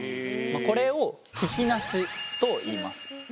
これを聞きなしといいます。